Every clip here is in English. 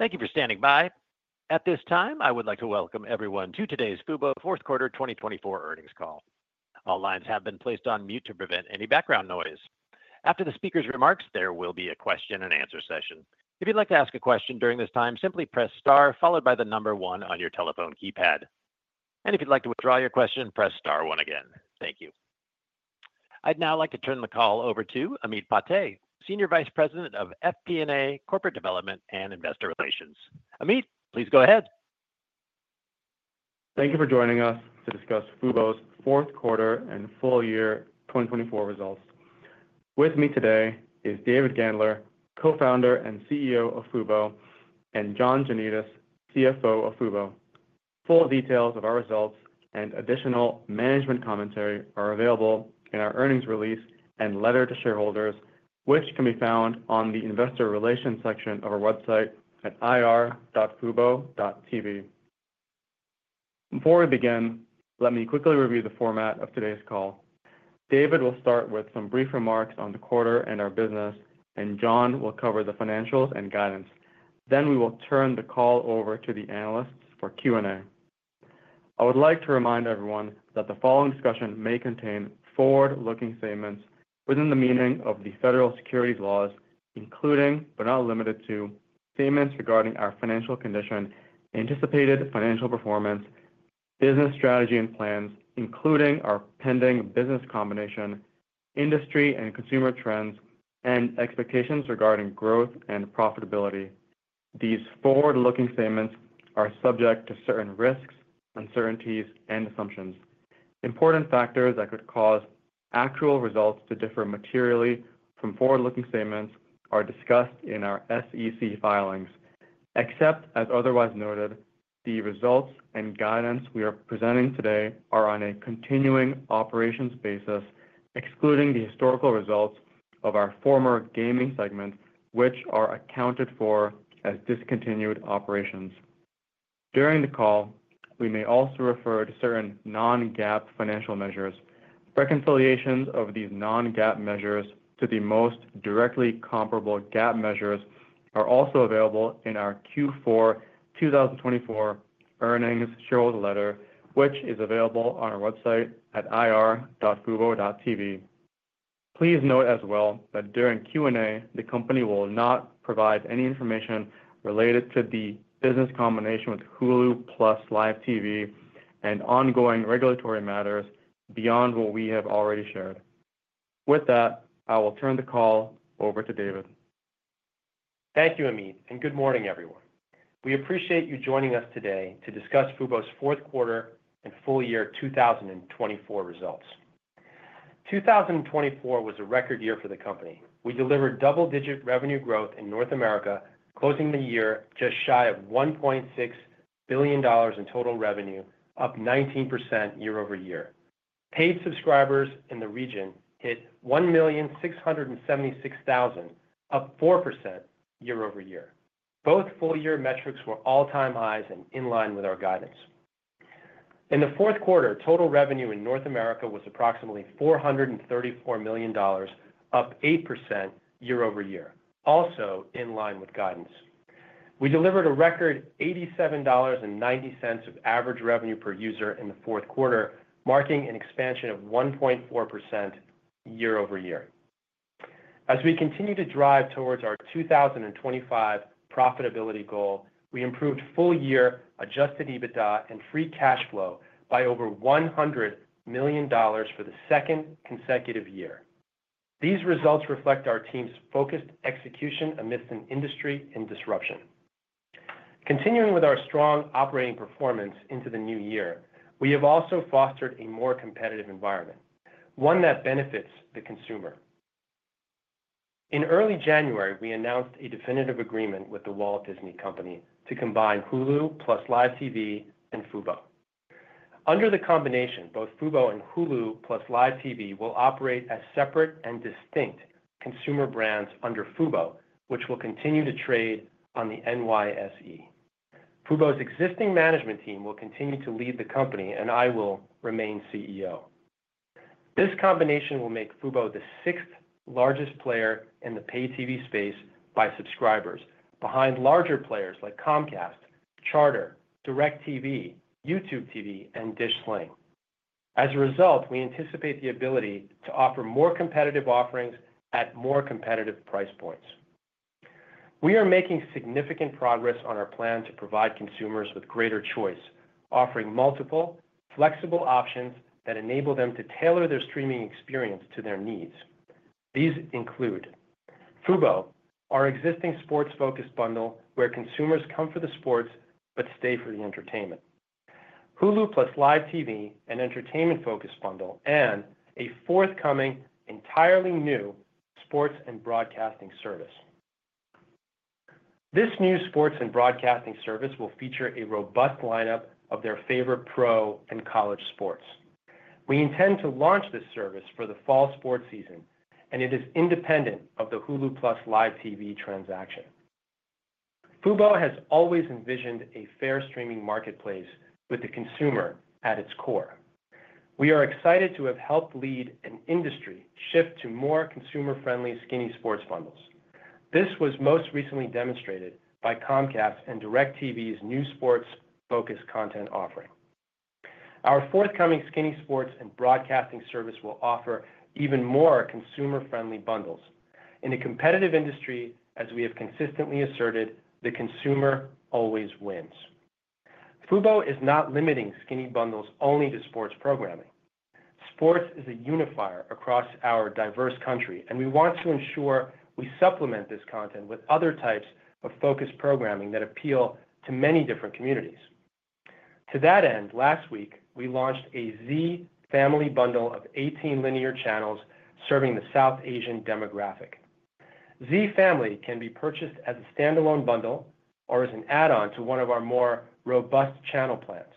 Thank you for standing by. At this time, I would like to welcome everyone to today's FuboTV Fourth Quarter 2024 earnings call. All lines have been placed on mute to prevent any background noise. After the speaker's remarks, there will be a question-and-answer session. If you'd like to ask a question during this time, simply press star followed by the number one on your telephone keypad. If you'd like to withdraw your question, press star one again. Thank you. I would now like to turn the call over to Ameet Padte, Senior Vice President of FP&A, Corporate Development, and Investor Relations. Ameet, please go ahead. Thank you for joining us to discuss Fubo's fourth quarter and full year 2024 results. With me today is David Gandler, Co-founder and CEO of Fubo, and John Janedis, CFO of Fubo. Full details of our results and additional management commentary are available in our earnings release and letter to shareholders, which can be found on the Investor Relations section of our website at ir.fubo.tv. Before we begin, let me quickly review the format of today's call. David will start with some brief remarks on the quarter and our business, and John will cover the financials and guidance. We will turn the call over to the analysts for Q&A. I would like to remind everyone that the following discussion may contain forward-looking statements within the meaning of the federal securities laws, including but not limited to statements regarding our financial condition, anticipated financial performance, business strategy and plans, including our pending business combination, industry and consumer trends, and expectations regarding growth and profitability. These forward-looking statements are subject to certain risks, uncertainties, and assumptions. Important factors that could cause actual results to differ materially from forward-looking statements are discussed in our SEC filings. Except as otherwise noted, the results and guidance we are presenting today are on a continuing operations basis, excluding the historical results of our former gaming segment, which are accounted for as discontinued operations. During the call, we may also refer to certain non-GAAP financial measures. Reconciliations of these non-GAAP measures to the most directly comparable GAAP measures are also available in our Q4 2024 earnings shareholder letter, which is available on our website at ir.fubo.tv. Please note as well that during Q&A, the company will not provide any information related to the business combination with Hulu + Live TV and ongoing regulatory matters beyond what we have already shared. With that, I will turn the call over to David. Thank you, Amit, and good morning, everyone. We appreciate you joining us today to discuss FuboTV's fourth quarter and full year 2024 results. 2024 was a record year for the company. We delivered double-digit revenue growth in North America, closing the year just shy of $1.6 billion in total revenue, up 19% year-over-year. Paid subscribers in the region hit 1,676,000, up 4% year-over-year. Both full-year metrics were all-time highs and in line with our guidance. In the fourth quarter, total revenue in North America was approximately $434 million, up 8% year-over-year, also in line with guidance. We delivered a record $87.90 of average revenue per user in the fourth quarter, marking an expansion of 1.4% year-over-year. As we continue to drive towards our 2025 profitability goal, we improved full-year adjusted EBITDA and free cash flow by over $100 million for the second consecutive year. These results reflect our team's focused execution amidst an industry in disruption. Continuing with our strong operating performance into the new year, we have also fostered a more competitive environment, one that benefits the consumer. In early January, we announced a definitive agreement with The Walt Disney Company to combine Hulu + Live TV and Fubo. Under the combination, both Fubo and Hulu + Live TV will operate as separate and distinct consumer brands under Fubo, which will continue to trade on the NYSE. Fubo's existing management team will continue to lead the company, and I will remain CEO. This combination will make FuboTV the sixth largest player in the pay TV space by subscribers, behind larger players like Comcast, Charter, DirecTV, YouTube TV, and Dish Sling. As a result, we anticipate the ability to offer more competitive offerings at more competitive price points. We are making significant progress on our plan to provide consumers with greater choice, offering multiple, flexible options that enable them to tailor their streaming experience to their needs. These include FuboTV, our existing sports-focused bundle where consumers come for the sports but stay for the entertainment; Hulu + Live TV, an entertainment-focused bundle; and a forthcoming, entirely new sports and broadcasting service. This new sports and broadcasting service will feature a robust lineup of their favorite pro and college sports. We intend to launch this service for the fall sports season, and it is independent of the Hulu + Live TV transaction. Fubo has always envisioned a fair streaming marketplace with the consumer at its core. We are excited to have helped lead an industry shift to more consumer-friendly skinny sports bundles. This was most recently demonstrated by Comcast and DirecTV's new sports-focused content offering. Our forthcoming skinny sports and broadcasting service will offer even more consumer-friendly bundles. In a competitive industry, as we have consistently asserted, the consumer always wins. Fubo is not limiting skinny bundles only to sports programming. Sports is a unifier across our diverse country, and we want to ensure we supplement this content with other types of focused programming that appeal to many different communities. To that end, last week, we launched a Z Family bundle of 18 linear channels serving the South Asian demographic. Z Family can be purchased as a standalone bundle or as an add-on to one of our more robust channel plans.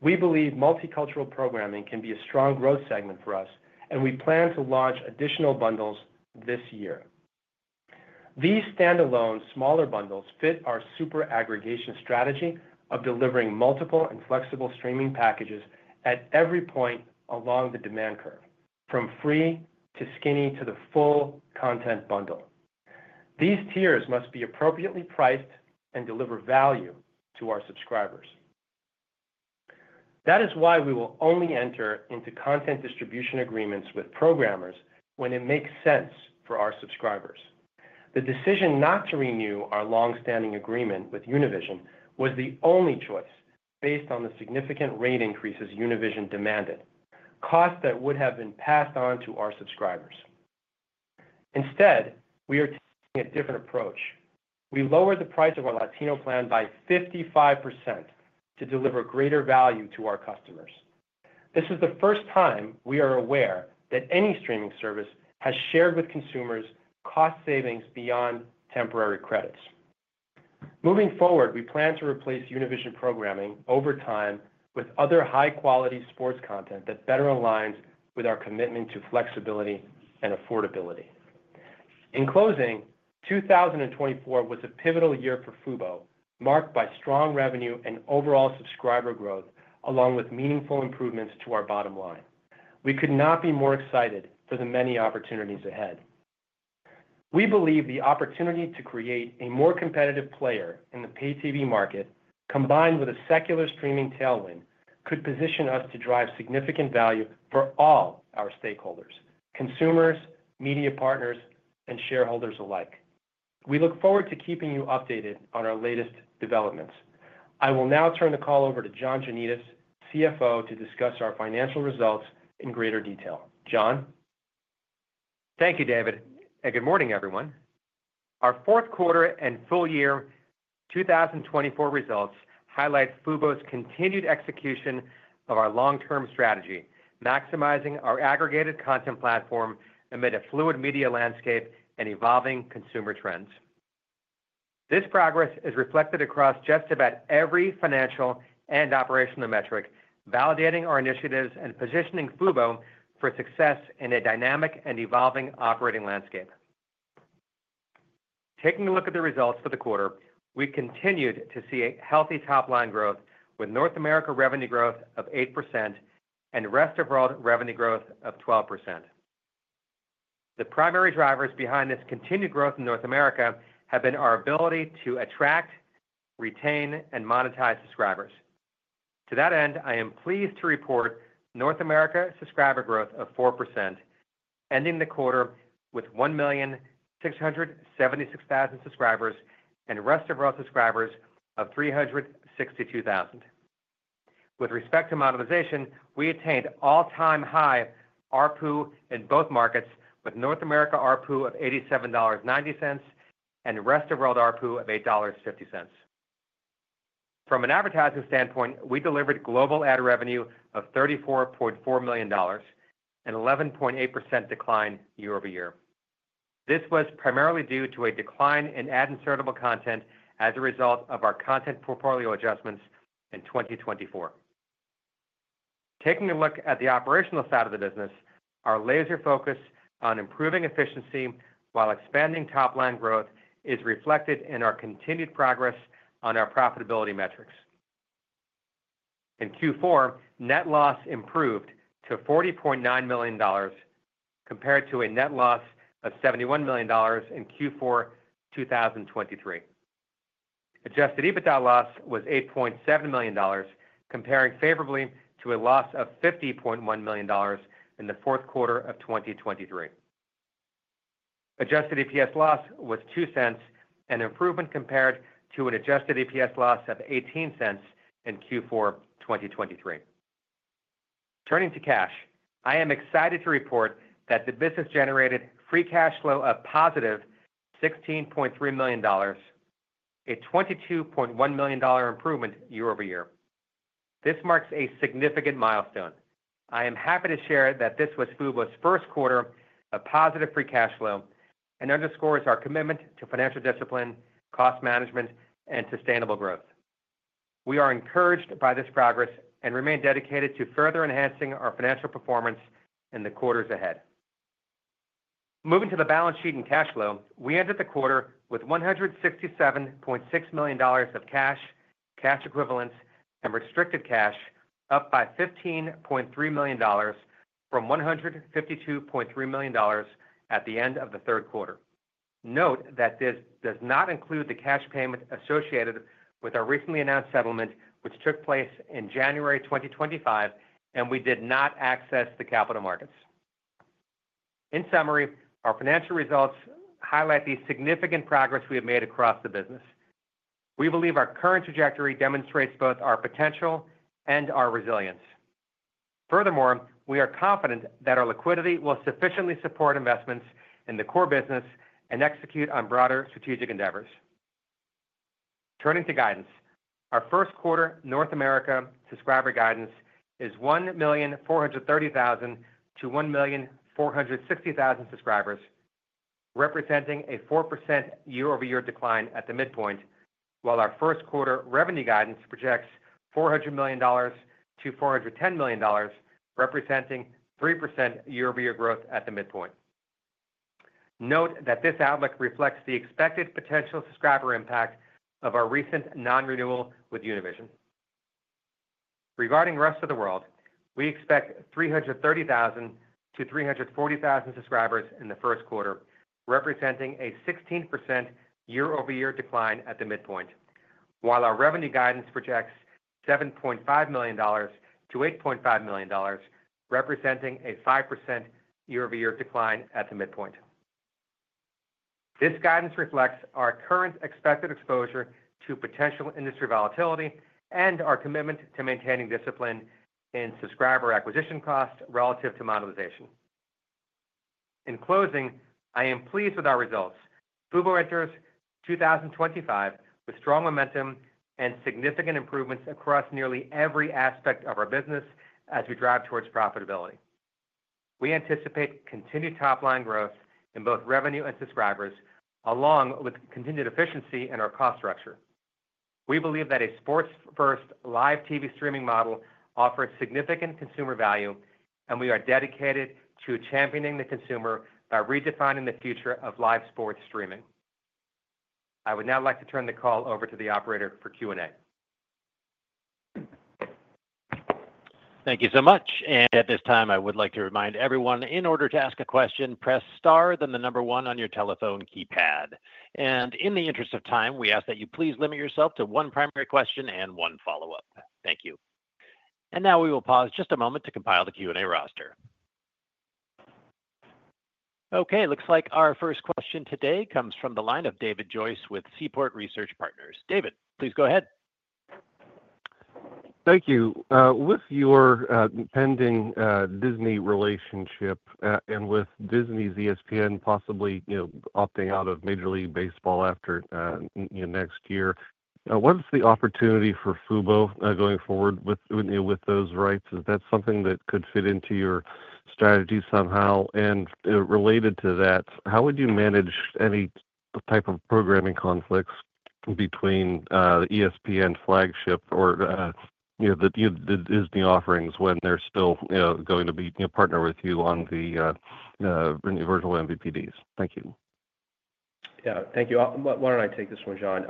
We believe multicultural programming can be a strong growth segment for us, and we plan to launch additional bundles this year. These standalone, smaller bundles fit our super aggregation strategy of delivering multiple and flexible streaming packages at every point along the demand curve, from free to skinny to the full content bundle. These tiers must be appropriately priced and deliver value to our subscribers. That is why we will only enter into content distribution agreements with programmers when it makes sense for our subscribers. The decision not to renew our longstanding agreement with Univision was the only choice based on the significant rate increases Univision demanded, costs that would have been passed on to our subscribers. Instead, we are taking a different approach. We lowered the price of our Latino plan by 55% to deliver greater value to our customers. This is the first time we are aware that any streaming service has shared with consumers cost savings beyond temporary credits. Moving forward, we plan to replace Univision programming over time with other high-quality sports content that better aligns with our commitment to flexibility and affordability. In closing, 2024 was a pivotal year for FuboTV, marked by strong revenue and overall subscriber growth, along with meaningful improvements to our bottom line. We could not be more excited for the many opportunities ahead. We believe the opportunity to create a more competitive player in the pay TV market, combined with a secular streaming tailwind, could position us to drive significant value for all our stakeholders: consumers, media partners, and shareholders alike. We look forward to keeping you updated on our latest developments. I will now turn the call over to John Janedis, CFO, to discuss our financial results in greater detail. John? Thank you, David, and good morning, everyone. Our fourth quarter and full year 2024 results highlight FuboTV's continued execution of our long-term strategy, maximizing our aggregated content platform amid a fluid media landscape and evolving consumer trends. This progress is reflected across just about every financial and operational metric, validating our initiatives and positioning FuboTV for success in a dynamic and evolving operating landscape. Taking a look at the results for the quarter, we continued to see healthy top-line growth, with North America revenue growth of 8% and rest of world revenue growth of 12%. The primary drivers behind this continued growth in North America have been our ability to attract, retain, and monetize subscribers. To that end, I am pleased to report North America subscriber growth of 4%, ending the quarter with 1,676,000 subscribers and rest of world subscribers of 362,000. With respect to monetization, we attained all-time high RPU in both markets, with North America RPU of $87.90 and rest of world RPU of $8.50. From an advertising standpoint, we delivered global ad revenue of $34.4 million and an 11.8% decline year-over-year. This was primarily due to a decline in ad insertable content as a result of our content portfolio adjustments in 2024. Taking a look at the operational side of the business, our laser focus on improving efficiency while expanding top-line growth is reflected in our continued progress on our profitability metrics. In Q4, net loss improved to $40.9 million compared to a net loss of $71 million in Q4 2023. Adjusted EBITDA loss was $8.7 million, comparing favorably to a loss of $50.1 million in the fourth quarter of 2023. Adjusted EPS loss was $0.02, an improvement compared to an adjusted EPS loss of $0.18 in Q4 2023. Turning to cash, I am excited to report that the business generated free cash flow of positive $16.3 million, a $22.1 million improvement year-over-year. This marks a significant milestone. I am happy to share that this was FuboTV's first quarter of positive free cash flow and underscores our commitment to financial discipline, cost management, and sustainable growth. We are encouraged by this progress and remain dedicated to further enhancing our financial performance in the quarters ahead. Moving to the balance sheet and cash flow, we ended the quarter with $167.6 million of cash, cash equivalents, and restricted cash, up by $15.3 million from $152.3 million at the end of the third quarter. Note that this does not include the cash payment associated with our recently announced settlement, which took place in January 2025, and we did not access the capital markets. In summary, our financial results highlight the significant progress we have made across the business. We believe our current trajectory demonstrates both our potential and our resilience. Furthermore, we are confident that our liquidity will sufficiently support investments in the core business and execute on broader strategic endeavors. Turning to guidance, our first quarter North America subscriber guidance is 1,430,000-1,460,000 subscribers, representing a 4% year-over-year decline at the midpoint, while our first quarter revenue guidance projects $400 million-$410 million, representing 3% year-over-year growth at the midpoint. Note that this outlook reflects the expected potential subscriber impact of our recent non-renewal with Univision. Regarding rest of the world, we expect 330,000-340,000 subscribers in the first quarter, representing a 16% year-over-year decline at the midpoint, while our revenue guidance projects $7.5 million-$8.5 million, representing a 5% year-over-year decline at the midpoint. This guidance reflects our current expected exposure to potential industry volatility and our commitment to maintaining discipline in subscriber acquisition costs relative to monetization. In closing, I am pleased with our results. FuboTV enters 2025 with strong momentum and significant improvements across nearly every aspect of our business as we drive towards profitability. We anticipate continued top-line growth in both revenue and subscribers, along with continued efficiency in our cost structure. We believe that a sports-first live TV streaming model offers significant consumer value, and we are dedicated to championing the consumer by redefining the future of live sports streaming. I would now like to turn the call over to the operator for Q&A. Thank you so much. At this time, I would like to remind everyone, in order to ask a question, press star, then the number one on your telephone keypad. In the interest of time, we ask that you please limit yourself to one primary question and one follow-up. Thank you. Now we will pause just a moment to compile the Q&A roster. Okay, it looks like our first question today comes from the line of David Joyce with Seaport Research Partners. David, please go ahead. Thank you. With your pending Disney relationship and with Disney's ESPN possibly opting out of Major League Baseball after next year, what's the opportunity for Fubo going forward with those rights? Is that something that could fit into your strategy somehow? Related to that, how would you manage any type of programming conflicts between the ESPN flagship or the Disney offerings when they're still going to partner with you on the virtual MVPDs? Thank you. Yeah, thank you. Why don't I take this one, John?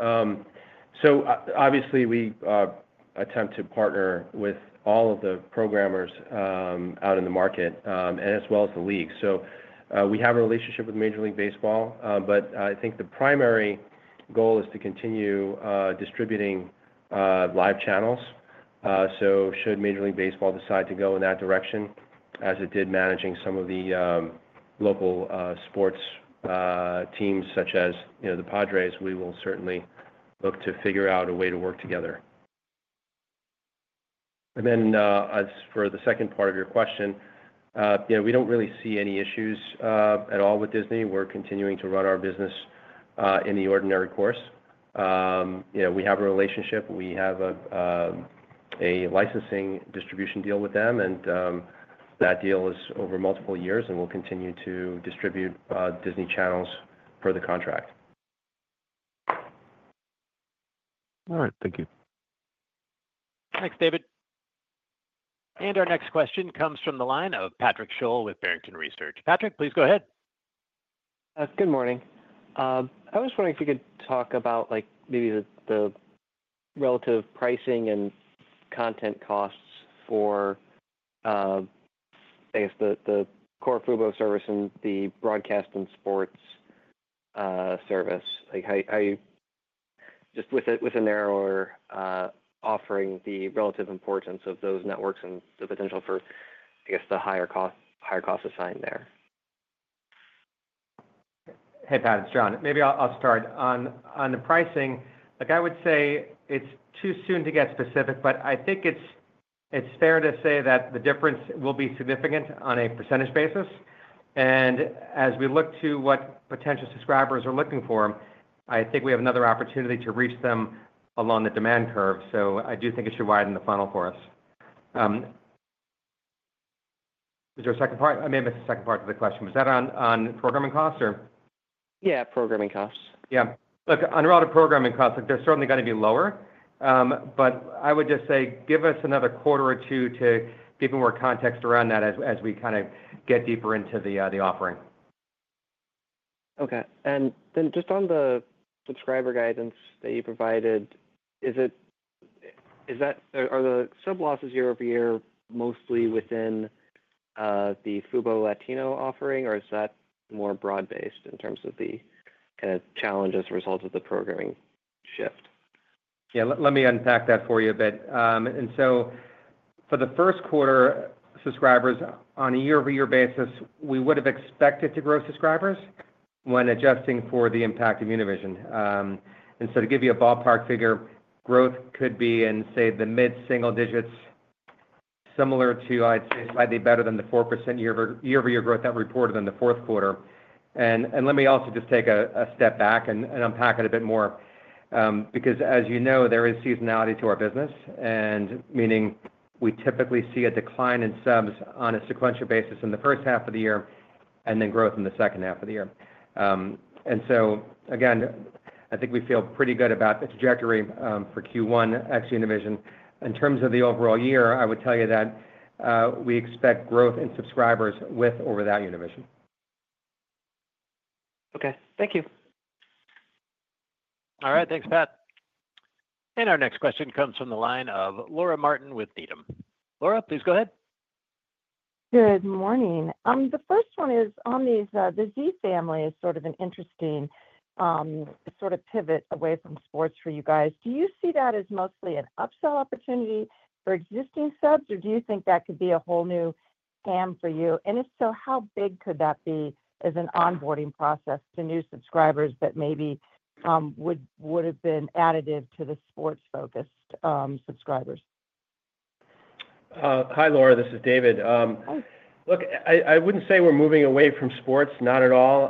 Obviously, we attempt to partner with all of the programmers out in the market as well as the league. We have a relationship with Major League Baseball, but I think the primary goal is to continue distributing live channels. Should Major League Baseball decide to go in that direction, as it did managing some of the local sports teams such as the Padres, we will certainly look to figure out a way to work together. As for the second part of your question, we don't really see any issues at all with Disney. We're continuing to run our business in the ordinary course. We have a relationship. We have a licensing distribution deal with them, and that deal is over multiple years, and we'll continue to distribute Disney channels per the contract. All right, thank you. Thanks, David. Our next question comes from the line of Patrick Scholl with Barrington Research. Patrick, please go ahead. Good morning. I was wondering if you could talk about maybe the relative pricing and content costs for, I guess, the core Fubo service and the broadcast and sports service. Just within there or offering the relative importance of those networks and the potential for, I guess, the higher cost assigned there? Hey, Patt. It's John. Maybe I'll start. On the pricing, I would say it's too soon to get specific, but I think it's fair to say that the difference will be significant on a % basis. As we look to what potential subscribers are looking for, I think we have another opportunity to reach them along the demand curve. I do think it should widen the funnel for us. Is there a second part? I may have missed the second part of the question. Was that on programming costs or? Yeah, programming costs. Yeah. Look, on a lot of programming costs, they're certainly going to be lower, but I would just say give us another quarter or two to give you more context around that as we kind of get deeper into the offering. Okay. Just on the subscriber guidance that you provided, are the sub-losses year-over-year mostly within the Fubo Latino offering, or is that more broad-based in terms of the kind of challenges result of the programming shift? Yeah, let me unpack that for you a bit. For the first quarter, subscribers on a year-over-year basis, we would have expected to grow subscribers when adjusting for the impact of Univision. To give you a ballpark figure, growth could be in, say, the mid-single digits, similar to, I'd say, slightly better than the 4% year-over-year growth that we reported in the fourth quarter. Let me also just take a step back and unpack it a bit more because, as you know, there is seasonality to our business, meaning we typically see a decline in subs on a sequential basis in the first half of the year and then growth in the second half of the year. I think we feel pretty good about the trajectory for Q1 ex-Univision. In terms of the overall year, I would tell you that we expect growth in subscribers with or without Univision. Okay, thank you. All right, thanks, Pat. Our next question comes from the line of Laura Martin with Needham. Laura, please go ahead. Good morning. The first one is on the Z Family. It is sort of an interesting sort of pivot away from sports for you guys. Do you see that as mostly an upsell opportunity for existing subs, or do you think that could be a whole new ham for you? If so, how big could that be as an onboarding process to new subscribers that maybe would have been additive to the sports-focused subscribers? Hi, Laura. This is David. Look, I would not say we are moving away from sports, not at all.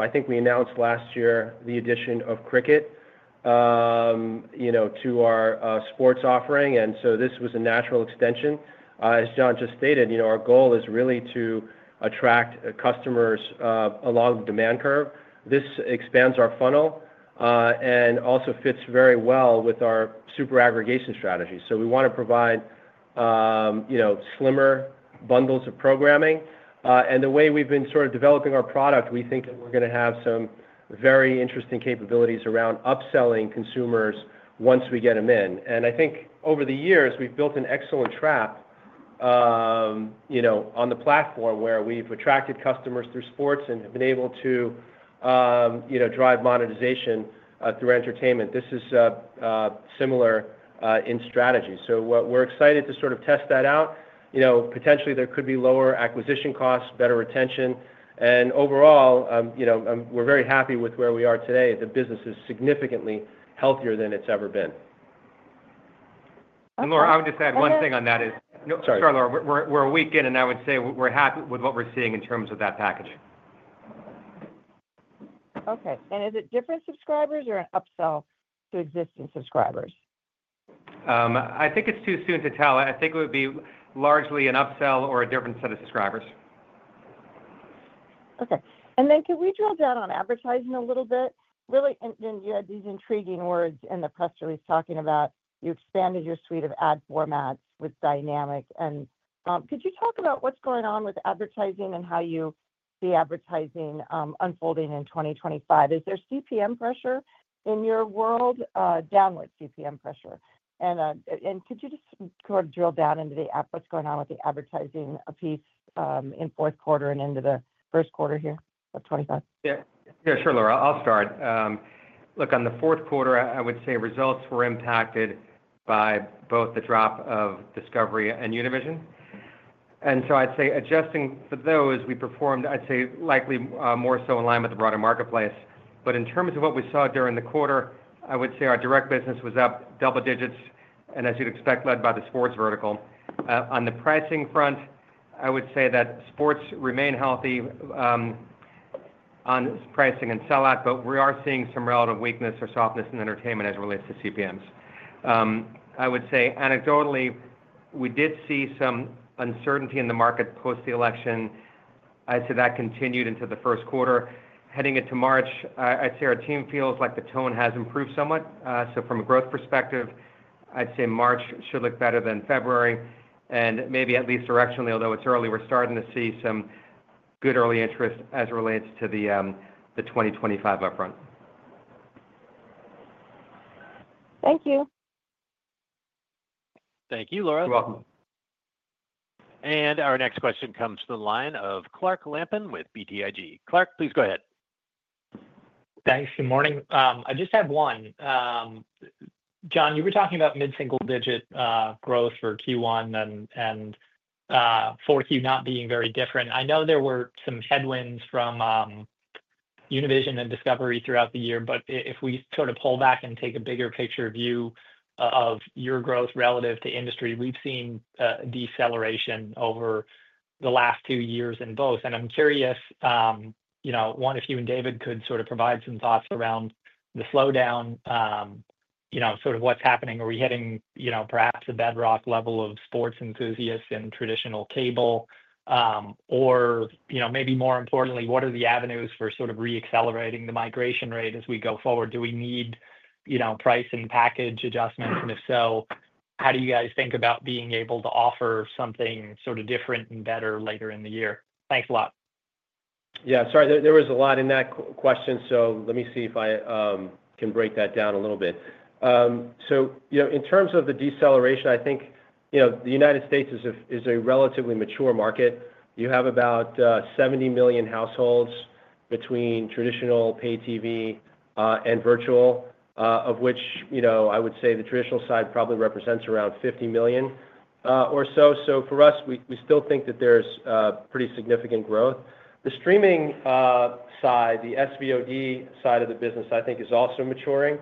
I think we announced last year the addition of cricket to our sports offering, and this was a natural extension. As John just stated, our goal is really to attract customers along the demand curve. This expands our funnel and also fits very well with our super aggregation strategy. We want to provide slimmer bundles of programming. The way we have been sort of developing our product, we think that we are going to have some very interesting capabilities around upselling consumers once we get them in. I think over the years, we have built an excellent trap on the platform where we have attracted customers through sports and have been able to drive monetization through entertainment. This is similar in strategy. We are excited to sort of test that out. Potentially, there could be lower acquisition costs, better retention. Overall, we're very happy with where we are today. The business is significantly healthier than it's ever been. Laura, I would just add one thing on that is. Sorry. Sorry, Laura. We're a week in, and I would say we're happy with what we're seeing in terms of that package. Okay. Is it different subscribers or an upsell to existing subscribers? I think it's too soon to tell. I think it would be largely an upsell or a different set of subscribers. Okay. Can we drill down on advertising a little bit? Really, you had these intriguing words in the press release talking about you expanded your suite of ad formats with dynamic. Could you talk about what's going on with advertising and how you see advertising unfolding in 2025? Is there CPM pressure in your world, downward CPM pressure? Could you just sort of drill down into what's going on with the advertising piece in fourth quarter and into the first quarter here of 2025? Yeah, sure, Laura. I'll start. Look, on the fourth quarter, I would say results were impacted by both the drop of Discovery and Univision. I'd say adjusting for those, we performed, I'd say, likely more so in line with the broader marketplace. In terms of what we saw during the quarter, I would say our direct business was up double digits, and as you'd expect, led by the sports vertical. On the pricing front, I would say that sports remain healthy on pricing and sellout, but we are seeing some relative weakness or softness in entertainment as it relates to CPMs. I would say anecdotally, we did see some uncertainty in the market post-election. I'd say that continued into the first quarter. Heading into March, I'd say our team feels like the tone has improved somewhat. From a growth perspective, I'd say March should look better than February. Maybe at least directionally, although it's early, we're starting to see some good early interest as it relates to the 2025 upfront. Thank you. Thank you, Laura. You're welcome. Our next question comes from the line of Clark Lampin with BTIG. Clark, please go ahead. Thanks. Good morning. I just have one. John, you were talking about mid-single digit growth for Q1 and 4Q not being very different. I know there were some headwinds from Univision and Discovery throughout the year, but if we sort of pull back and take a bigger picture view of your growth relative to industry, we've seen deceleration over the last two years in both. I'm curious, one, if you and David could sort of provide some thoughts around the slowdown, sort of what's happening. Are we hitting perhaps a bedrock level of sports enthusiasts and traditional cable? Maybe more importantly, what are the avenues for sort of re-accelerating the migration rate as we go forward? Do we need price and package adjustments? If so, how do you guys think about being able to offer something sort of different and better later in the year? Thanks a lot. Yeah, sorry, there was a lot in that question, so let me see if I can break that down a little bit. In terms of the deceleration, I think the United States is a relatively mature market. You have about 70 million households between traditional pay TV and virtual, of which I would say the traditional side probably represents around 50 million or so. For us, we still think that there's pretty significant growth. The streaming side, the SVOD side of the business, I think is also maturing,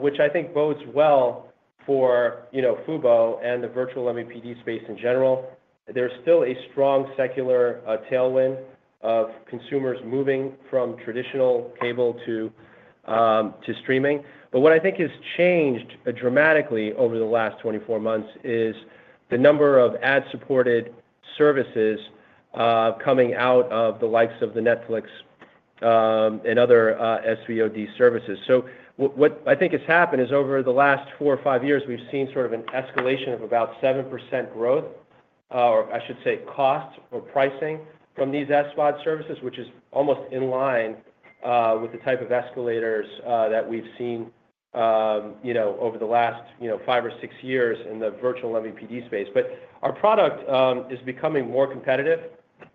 which I think bodes well for Fubo and the virtual MVPD space in general. There's still a strong secular tailwind of consumers moving from traditional cable to streaming. What I think has changed dramatically over the last 24 months is the number of ad-supported services coming out of the likes of Netflix and other SVOD services. What I think has happened is over the last four or five years, we've seen sort of an escalation of about 7% growth, or I should say cost or pricing from these ad-supported services, which is almost in line with the type of escalators that we've seen over the last five or six years in the virtual MVPD space. Our product is becoming more competitive.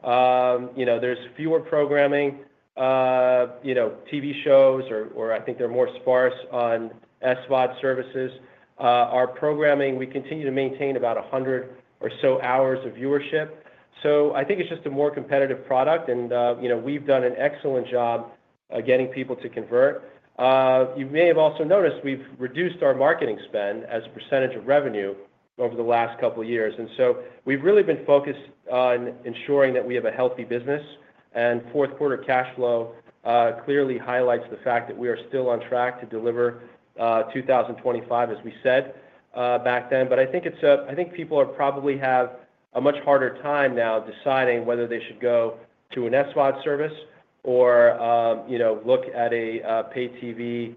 There's fewer programming, TV shows, or I think they're more sparse on ad-supported services. Our programming, we continue to maintain about 100 or so hours of viewership. I think it's just a more competitive product, and we've done an excellent job getting people to convert. You may have also noticed we've reduced our marketing spend as a percentage of revenue over the last couple of years. We've really been focused on ensuring that we have a healthy business. Fourth quarter cash flow clearly highlights the fact that we are still on track to deliver 2025, as we said back then. I think people probably have a much harder time now deciding whether they should go to an ad-supported service or look at a pay TV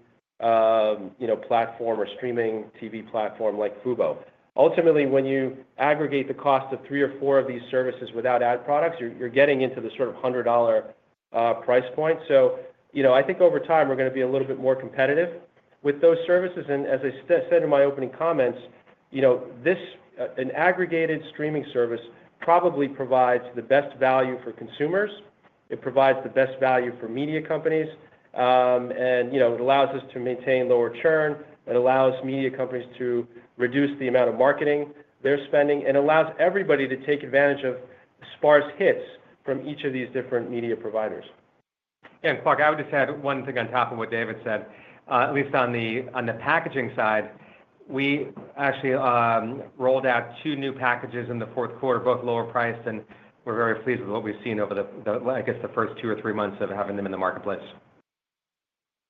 platform or streaming TV platform like Fubo. Ultimately, when you aggregate the cost of three or four of these services without ad products, you're getting into the sort of $100 price point. I think over time, we're going to be a little bit more competitive with those services. As I said in my opening comments, an aggregated streaming service probably provides the best value for consumers. It provides the best value for media companies, and it allows us to maintain lower churn. It allows media companies to reduce the amount of marketing they're spending. It allows everybody to take advantage of sparse hits from each of these different media providers. Clark, I would just add one thing on top of what David said, at least on the packaging side, we actually rolled out two new packages in the fourth quarter, both lower priced, and we're very pleased with what we've seen over, I guess, the first two or three months of having them in the marketplace.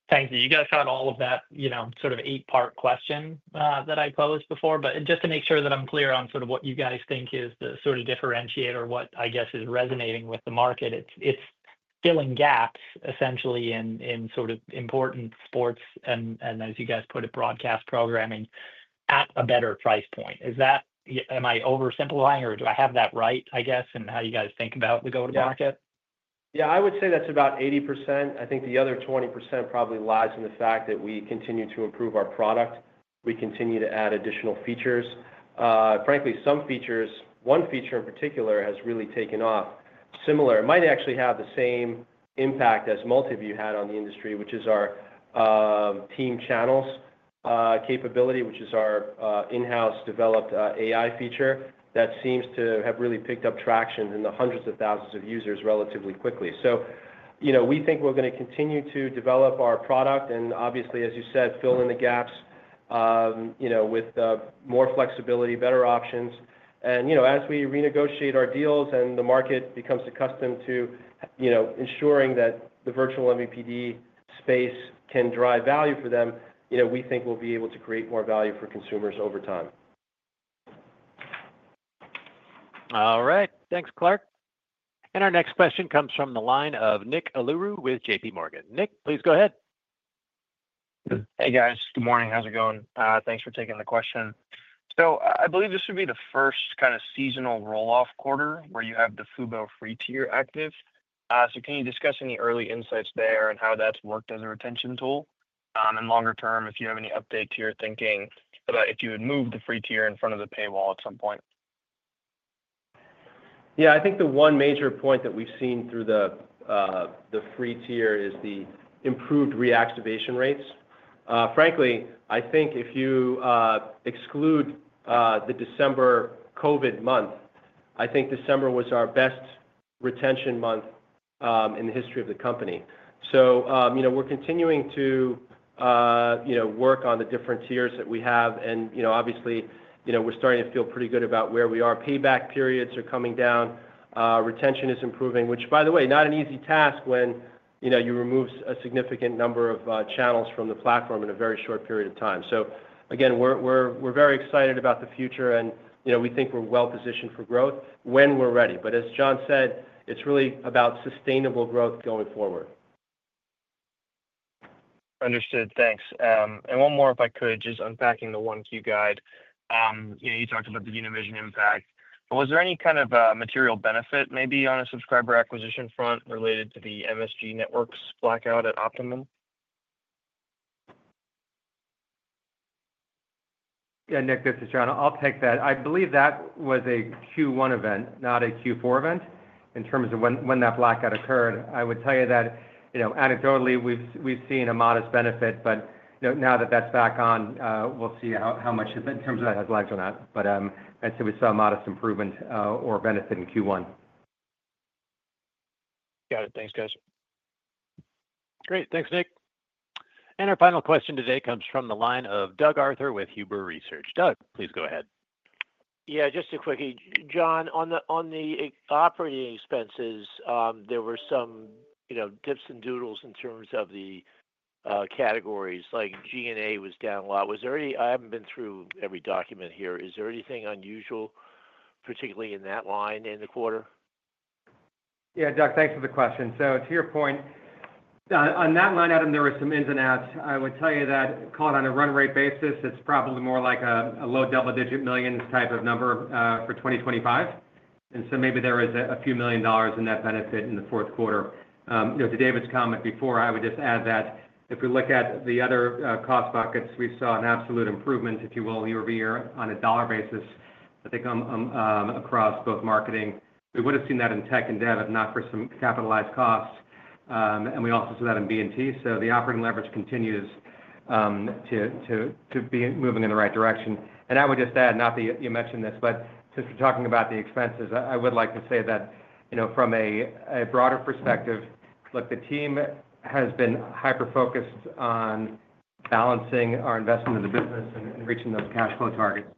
Thank you. You guys got all of that sort of eight-part question that I posed before. Just to make sure that I'm clear on sort of what you guys think is the sort of differentiator, what I guess is resonating with the market, it's filling gaps essentially in sort of important sports and, as you guys put it, broadcast programming at a better price point. Am I oversimplifying, or do I have that right, I guess, in how you guys think about the go-to-market? Yeah, I would say that's about 80%. I think the other 20% probably lies in the fact that we continue to improve our product. We continue to add additional features. Frankly, some features, one feature in particular has really taken off. Similar, it might actually have the same impact as multi-view had on the industry, which is our team channels capability, which is our in-house developed AI feature that seems to have really picked up traction in the hundreds of thousands of users relatively quickly. We think we're going to continue to develop our product and, obviously, as you said, fill in the gaps with more flexibility, better options. As we renegotiate our deals and the market becomes accustomed to ensuring that the virtual MVPD space can drive value for them, we think we'll be able to create more value for consumers over time. All right. Thanks, Clark. Our next question comes from the line of Nick Aluru with JPMorgan. Nick, please go ahead. Hey, guys. Good morning. How's it going? Thanks for taking the question. I believe this would be the first kind of seasonal rolloff quarter where you have the Fubo Free Tier active. Can you discuss any early insights there and how that's worked as a retention tool? Longer term, if you have any update to your thinking about if you would move the Free Tier in front of the paywall at some point? Yeah, I think the one major point that we've seen through the Free Tier is the improved reactivation rates. Frankly, I think if you exclude the December COVID month, I think December was our best retention month in the history of the company. We are continuing to work on the different tiers that we have. Obviously, we're starting to feel pretty good about where we are. Payback periods are coming down. Retention is improving, which, by the way, is not an easy task when you remove a significant number of channels from the platform in a very short period of time. We are very excited about the future, and we think we're well-positioned for growth when we're ready. As John said, it's really about sustainable growth going forward. Understood. Thanks. One more, if I could, just unpacking the one-queue guide. You talked about the Univision impact. Was there any kind of material benefit maybe on a subscriber acquisition front related to the MSG Networks blackout at Optimum? Yeah, Nick, this is John. I'll take that. I believe that was a Q1 event, not a Q4 event in terms of when that blackout occurred. I would tell you that anecdotally, we've seen a modest benefit, but now that that's back on, we'll see how much in terms of that has lagged or not. I'd say we saw a modest improvement or benefit in Q1. Got it. Thanks, guys. Great. Thanks, Nick. Our final question today comes from the line of Doug Arthur with Huber Research. Doug, please go ahead. Yeah, just a quickie. John, on the operating expenses, there were some dips and doodles in terms of the categories. G&A was down a lot. I haven't been through every document here. Is there anything unusual, particularly in that line in the quarter? Yeah, Doug, thanks for the question. To your point, on that line item, there were some ins and outs. I would tell you that, called on a run rate basis, it's probably more like a low double-digit millions type of number for 2025. Maybe there was a few million dollars in that benefit in the fourth quarter. To David's comment before, I would just add that if we look at the other cost buckets, we saw an absolute improvement, if you will, year-over-year on a dollar basis, I think, across both marketing. We would have seen that in tech and dev if not for some capitalized costs. We also saw that in B&T. The operating leverage continues to be moving in the right direction. I would just add, not that you mentioned this, but since we're talking about the expenses, I would like to say that from a broader perspective, look, the team has been hyper-focused on balancing our investment in the business and reaching those cash flow targets.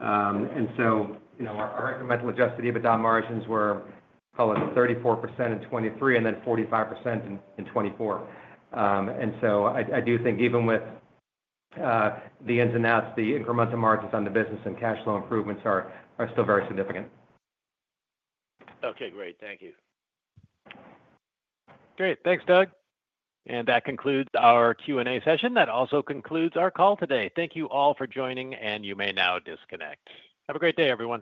Our incremental adjusted EBITDA margins were, call it 34% in 2023 and then 45% in 2024. I do think even with the ins and outs, the incremental margins on the business and cash flow improvements are still very significant. Okay, great. Thank you. Great. Thanks, Doug. That concludes our Q&A session. That also concludes our call today. Thank you all for joining, and you may now disconnect. Have a great day, everyone.